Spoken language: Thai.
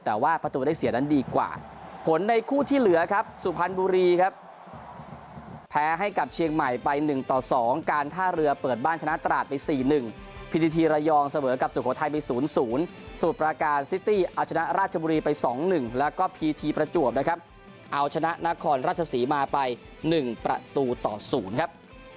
แต่ว่าประตูได้เสียดันดีกว่าผลในคู่ที่เหลือครับสุพรรณบุรีครับ